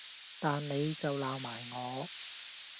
但你就鬧埋我